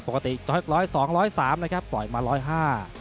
ปกติจอยกร้อย๒๓นะครับปล่อยมา๑๐๕